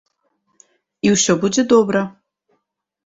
І ўсё будзе добра.